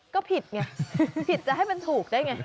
ก็ผิดไงผิดจะให้มันถูกได้ไง